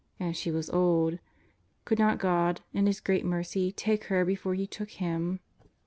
And she was old. Could not God, in His great mercy, take her before He took him?